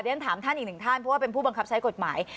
ฉันถามท่านอีกหนึ่งท่านเพราะว่าเป็นผู้บังคับใช้กฎหมาย